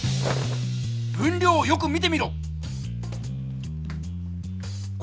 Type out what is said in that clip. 分量をよく見てみろ！